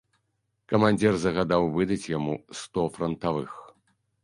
Камандзір загадаў выдаць яму сто франтавых.